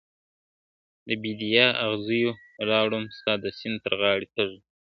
د بېدیا اغزیو راوړم ستا د سیند تر غاړي تږی ..